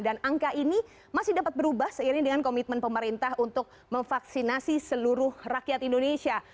dan angka ini masih dapat berubah seiring dengan komitmen pemerintah untuk memvaksinasi seluruh rakyat indonesia